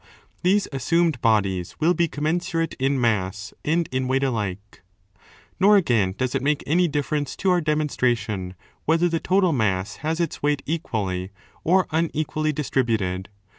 These assumed bodies will be commensurate in mass and in weight alike. Nor again does it make any difference to our demonstration whether the total mass has its weight equally or unequally distributed.